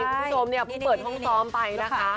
คุณผู้ชมเนี่ยเพิ่งเปิดห้องซ้อมไปนะคะ